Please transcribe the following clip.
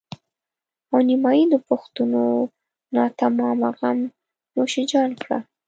او نيمایي د پښتنو ناتمامه غم نوش جان کړه.